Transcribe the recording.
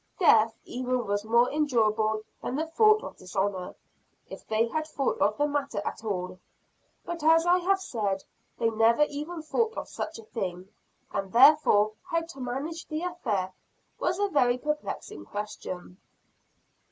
Death even was more endurable than the thought of dishonor if they had thought of the matter at all. But as I have said, they never even thought of a such thing. And therefore how to manage the affair was a very perplexing question.